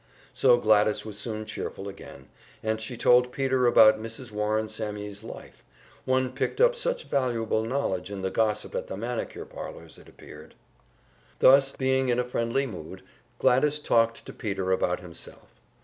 So Gladys was soon cheerful again, and she told Peter about Mrs. Warring Sammye's life; one picked up such valuable knowledge in the gossip at the manicure parlors, it appeared. Then, being in a friendly mood, Gladys talked to Peter about himself.